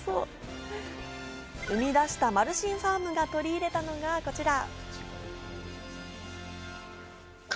生み出した丸進ファームが取り入れたのがこちら。